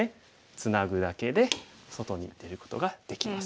ツナぐだけで外に出ることができます。